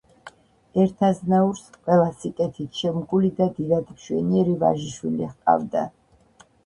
ერთ აზნაურს, ყველა სიკეთით შემკული და დიდად მშვენიერი ვაჟიშვილი ჰყავდა